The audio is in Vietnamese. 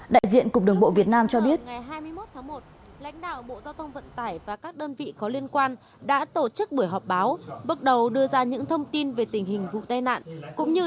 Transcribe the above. đại diện cục đường bộ việt nam cho biết xe ô tô vẫn còn hạn đăng kiểm thiết bị giám sát hành trình vẫn hoạt động nhưng không truyền dữ liệu về cơ quan chức năng